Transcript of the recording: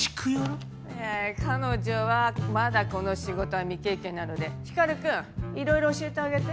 彼女はまだこの仕事は未経験なので光くんいろいろ教えてあげて。